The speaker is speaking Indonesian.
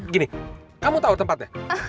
gini kamu tahu tempatnya